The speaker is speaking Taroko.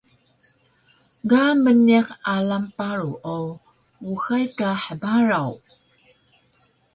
Ga mniq alang paru o uxay ka hbaraw